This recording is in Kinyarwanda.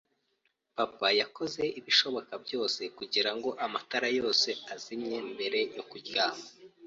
Papa yakoze ibishoboka byose kugirango amatara yose azimye mbere yo kuryama.